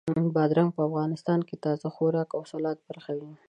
بادرنګ په افغانستان کې تازه خوراک او د سالاد برخه وي.